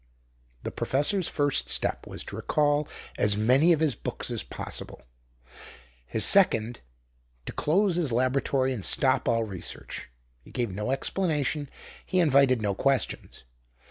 The professor's first step was to recall as many of his books as possible; his second to close his laboratory and stop all research. He gave no explanation, he invited no questions.